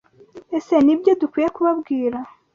Ese Nibyo dukwiye kubabwira.